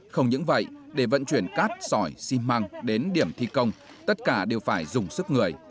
không những vậy để vận chuyển cát sỏi xi măng đến điểm thi công tất cả đều phải dùng sức người